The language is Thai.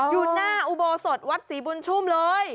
อยู่หน้าอุโบสถวัดศรีบุญชุ่มเลย